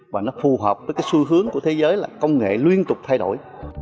và nó phù hợp với cái xu hướng của thế giới là công nghệ liên tục thay đổi